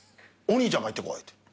「お兄ちゃんが行ってこい」って。